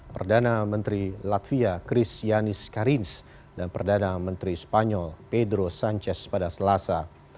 perdana menteri latvia christianis karins dan perdana menteri spanyol pedro sanchez pada selasa